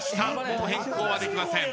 もう変更はできません。